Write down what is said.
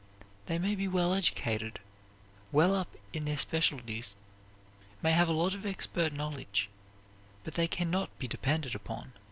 They may be well educated, well up in their specialties, may have a lot of expert knowledge, but they can not be depended upon.